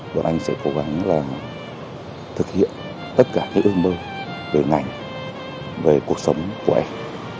và anh sẽ cố gắng thực hiện tất cả ước mơ về ngành về cuộc sống của anh